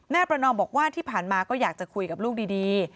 ประนอมบอกว่าที่ผ่านมาก็อยากจะคุยกับลูกดี